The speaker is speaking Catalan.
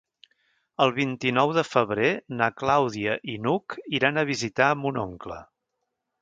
El vint-i-nou de febrer na Clàudia i n'Hug iran a visitar mon oncle.